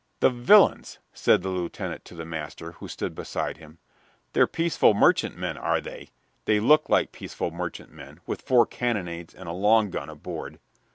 "The villains!" said the lieutenant to the master, who stood beside him. "They're peaceful merchantmen, are they! They look like peaceful merchantmen, with four carronades and a long gun aboard!"